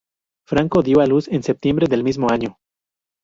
Franco dio a luz en septiembre del mismo año.